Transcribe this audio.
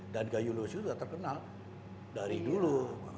dan gayo luas itu sudah terkenal dari dulu